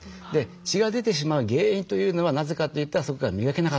血が出てしまう原因というのはなぜかといったらそこが磨けなかった。